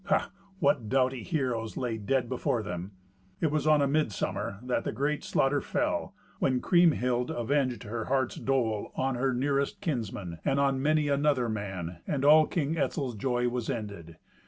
Ha! what doughty heroes lay dead before them. It was on a midsummer that the great slaughter fell, when Kriemhild avenged her heart's dole on her nearest kinsmen, and on many another man, and all King Etzel's joy was ended.